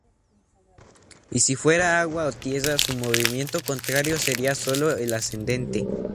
Y si fuera agua o tierra, su movimiento contrario sería sólo el ascendente.